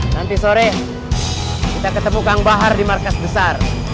nanti sore kita ketemu kang bahar di markas besar